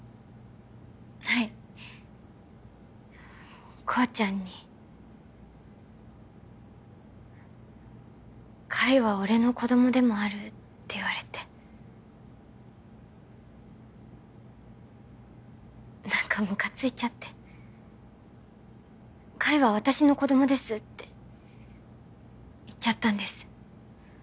はいコウちゃんに海は俺の子どもでもあるって言われて何かムカついちゃって海は私の子どもですって言っちゃったんです